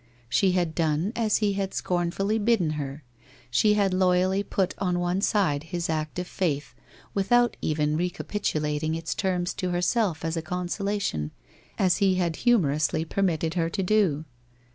She had done as he had scornfully bidden her, she had loyally put on one side his act of faith, with out even recapitulating its terms to herself as a consolation, as he had humorously permitted her to do.